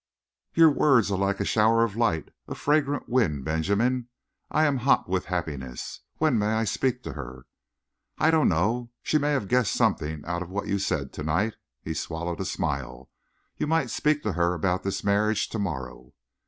"Your words are like a shower of light, a fragrant wind. Benjamin, I am hot with happiness! When may I speak to her?" "I don't know. She may have guessed something out of what you said to night." He swallowed a smile. "You might speak to her about this marriage to morrow."